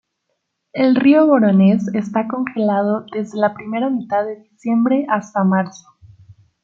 El río Voronezh está congelado desde la primera mitad de diciembre hasta marzo.